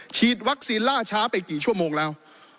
ฉีดวัคซีนล่าช้าไปกี่ชั่วโมงแล้ว